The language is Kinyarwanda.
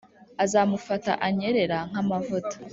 azamufata anyerera nk’amavuta